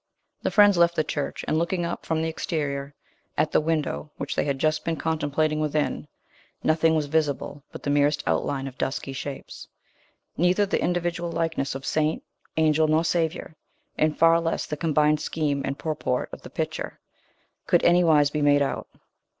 The friends left the church, and looking up, from the exterior, at the window which they had just been contemplating within, nothing; was visible but the merest outline of dusky shapes, Neither the individual likeness of saint, angel, nor Saviour, and far less the combined scheme and purport of the picture, could anywise be made out.